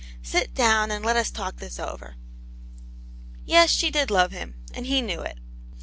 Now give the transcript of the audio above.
Sit down and let us talk this over." Yes, she did love him, and he knew it.